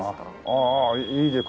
ああいいね。